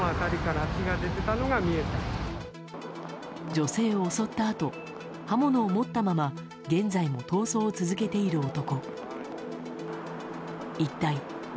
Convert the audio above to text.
女性を襲ったあと刃物を持ったまま現在も逃走を続けている男。